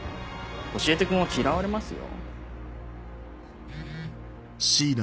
教えてくんは嫌われますよ？